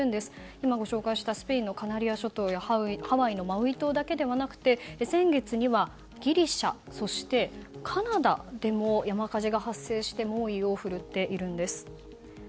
今ご紹介したスペインのカナリア諸島やハワイのマウイ島だけではなく先月にはギリシャそして、カナダでも山火事が発生して猛威を振るっているんです。